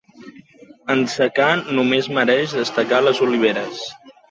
En secà només mereix destacar les oliveres.